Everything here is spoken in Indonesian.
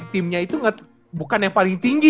timnya itu bukan yang paling tinggi